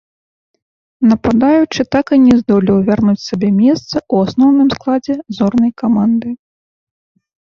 Нападаючы так і не здолеў вярнуць сабе месца ў асноўным складзе зорнай каманды.